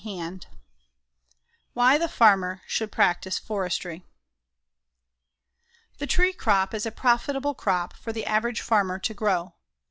CHAPTER XVI WHY THE FARMER SHOULD PRACTICE FORESTRY The tree crop is a profitable crop for the average farmer to grow.